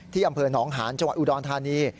ที่อำเภอน้องหานจอุดรธานี